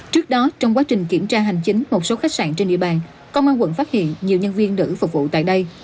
trước đó trong quá trình kiểm tra hành chính một số khách sạn trên địa bàn công an quận phát hiện nhiều nhân viên nữ phục vụ tại đây